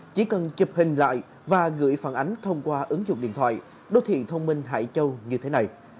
chỉ cần chụp hình lại và gửi phản ánh thông qua ứng dụng điện thoại đô thị thông minh hải châu như thế này